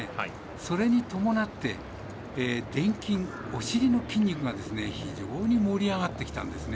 それに伴って、でん筋お尻の筋肉が非常に盛り上がってきたんですね。